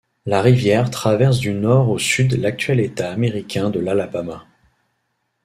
La rivière traverse du Nord au Sud l'actuel État américain de l'Alabama.